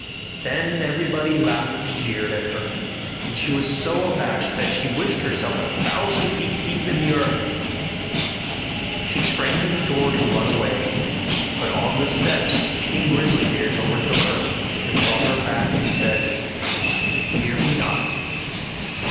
Then everybody laughed and jeered at her; and she was so abashed, that she wished herself a thousand feet deep in the earth. She sprang to the door to run away; but on the steps King Grisly beard overtook her, and brought her back and said, 'Fear me not!